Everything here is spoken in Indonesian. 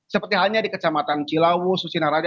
seperti hanya di kecamatan cilawu susinaraja